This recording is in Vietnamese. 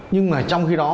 nhưng mà trong khi đó